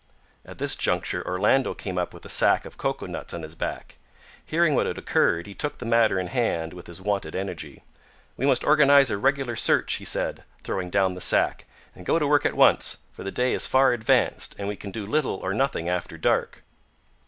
At this juncture Orlando came up with a sack of cocoa nuts on his back. Hearing what had occurred he took the matter in hand with his wonted energy. "We must organise a regular search," he said, throwing down the sack, "and go to work at once, for the day is far advanced, and we can do little or nothing after dark."